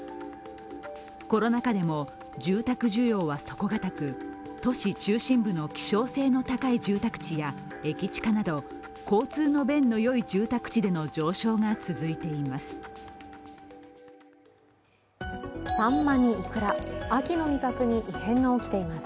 コロナ禍でも住宅需要は底堅く、都市中心部の希少性の高い住宅地や駅近など交通の便がよい住宅地での上昇が続いています。